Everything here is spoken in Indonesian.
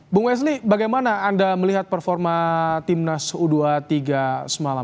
bung wesli bagaimana anda melihat performa timnas u dua puluh tiga semalam